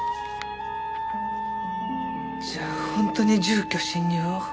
じゃあ本当に住居侵入を。